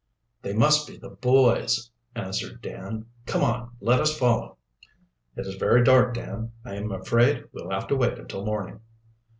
"They must be the boys'," answered Dan. "Come on, let us follow." "It is very dark, Dan. I'm afraid we'll have to wait until morning."